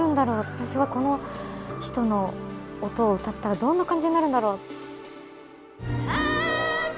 私はこの人の音を歌ったらどんな感じになるだろう？